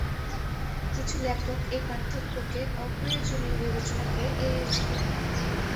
কিছু লেখক এই পার্থক্যকে অপ্রয়োজনীয় বিবেচনা করে এড়িয়ে চলেন।